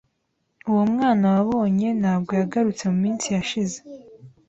Uwo mwana wabonye, ntabwo yagarutse mu minsi yashize."